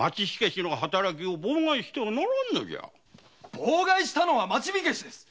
妨害したのは町火消です